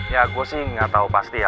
ya gue sih gak tau pasti ya